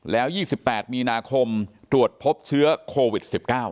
แล้ว๒๘มีนาคมตรวจพบเชื้อโควิด๑๙